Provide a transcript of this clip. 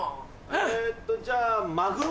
えっとじゃあマグロ。